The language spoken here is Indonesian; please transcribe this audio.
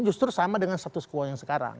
justru sama dengan status quo yang sekarang